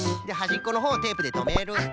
ではじっこのほうをテープでとめる。